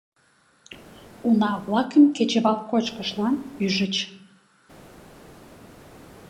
Уна-влакым кечывал кочкышлан ӱжыч.